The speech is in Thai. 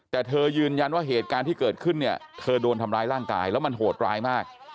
แต่เธอยืนยันว่าเหตุการณ์ที่เกิดขึ้นเนี่ยเธอโดนทำร้ายร่างกายแล้วมันโหดร้ายมาก